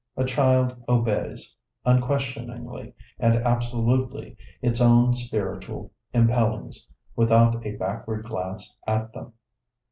A child obeys unquestioningly and absolutely its own spiritual impellings without a backward glance at them.